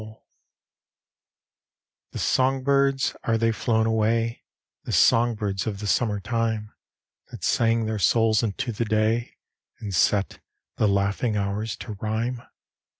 LXVII The song birds, are they flown away, The song birds of the summer time, That sang their souls into the day, And set the laughing hours to rhyme?